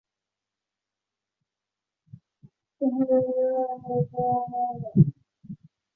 法院裁定上述交易令伟仕的股价上升。